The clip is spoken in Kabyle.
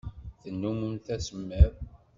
Tennummemt asemmiḍ.